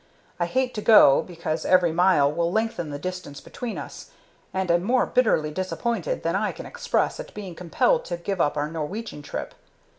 I hate to go, because every mile will lengthen the distance between us, and am more bitterly disappointed than I can express at being compelled to give up our Norwegian trip.